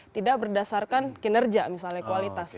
tidak berdasarkan kinerja misalnya kualitas